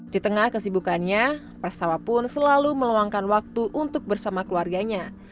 di tengah kesibukannya prasawa pun selalu meluangkan waktu untuk bersama keluarganya